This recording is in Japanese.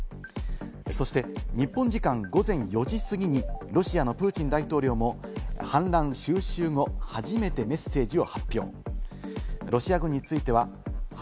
そして日本時間・午前４時すぎにロシアのプーチン大統領も反乱収拾後、初めてメッセージを発表。